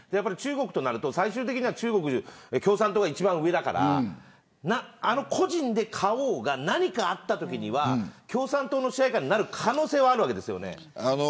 最終的に中国は共産党が一番上だから個人で買おうが何かあったときには共産党の支配下になる可能性があるんですよね。